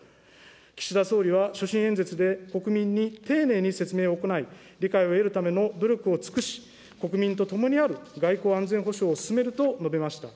岸田総理は所信演説で国民に丁寧に説明を行い、理解を得るための努力を尽くし、国民と共にある外交・安全保障を進めると述べました。